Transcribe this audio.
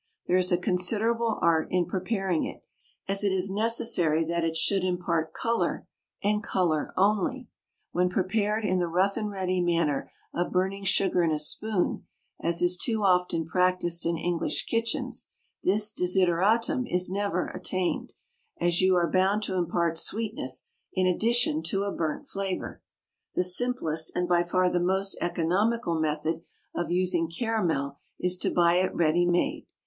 There is a considerable art in preparing it, as it is necessary that it should impart colour, and colour only. When prepared in the rough and ready manner of burning sugar in a spoon, as is too often practised in English kitchens, this desideratum is never attained, as you are bound to impart sweetness in addition to a burnt flavour. The simplest and by far the most economical method of using caramel is to buy it ready made.